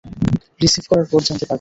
Receive করার পর জানতে পারব!